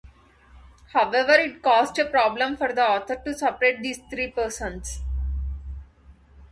However, it caused a problem for the author to separate these three persons.